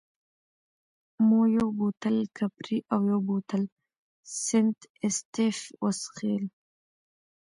مو یو بوتل کپري او یو بوتل سنت اېسټېف وڅېښل.